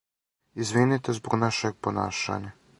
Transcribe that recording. Извините због нашег понашања.